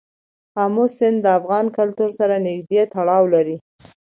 آمو سیند د افغان کلتور سره نږدې تړاو لري.